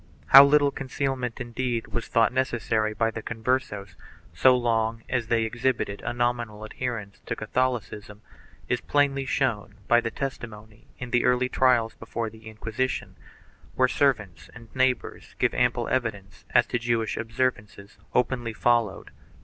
How little concealment, indeed, was thought necessary by the Converses, so long as they exhibited a nominal adherence to Catholicism, is plainly shown by the testimony in the early trials before the Inquisition, where servants and neighbors give ample evidence as to Jewish observances openly followed.